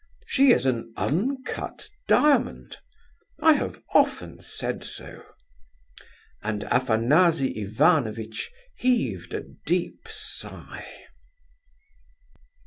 She is an uncut diamond.... I have often said so." And Afanasy Ivanovitch heaved a deep sigh.